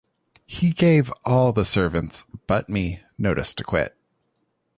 He gave all the servants, but me, notice to quit.